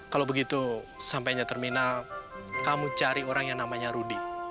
kalau begitu sampainya terminal kamu cari orang yang namanya rudy